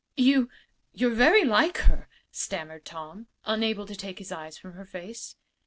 "You you're very like her," stammered Tom, unable to take his eyes from her face.